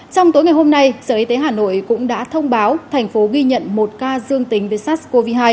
trong tối ngày hôm nay sở y tế hà nội cũng đã thông báo thành phố ghi nhận một ca dương tính với sars cov hai